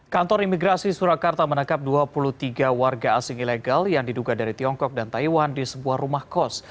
kantor imigrasi surakarta menangkap dua puluh tiga warga asing ilegal yang diduga dari tiongkok dan taiwan di sebuah rumah kos